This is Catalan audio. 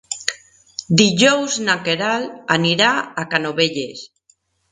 Dijous na Queralt anirà a Canovelles.